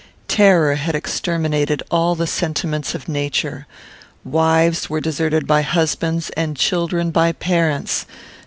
Terror had exterminated all the sentiments of nature. Wives were deserted by husbands, and children by parents.